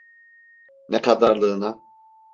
Ne kadarlığına?